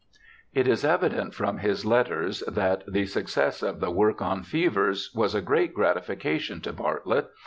It is evident from his letters that the success of the work on fevers was a great gratification to Bartlett.